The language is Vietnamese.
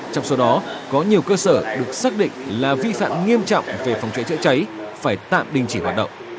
trong số đó có nhiều cơ sở được xác định là vi phạm nghiêm trọng về phòng cháy chữa cháy phải tạm đình chỉ hoạt động